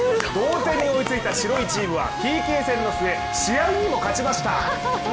同点に追いついた白いチームはＰＫ戦の末試合にも勝ちました。